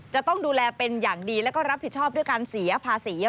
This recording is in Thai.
จะต้องดูแลเป็นอย่างดีแล้วก็รับผิดชอบด้วยการเสียภาษี